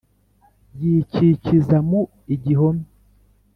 yikikiza mu igihome